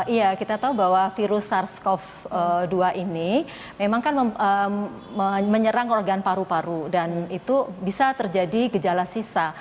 iya kita tahu bahwa virus sars cov dua ini memang kan menyerang organ paru paru dan itu bisa terjadi gejala sisa